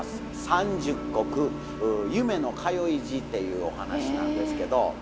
「三十石夢の通い路」っていうお噺なんですけど。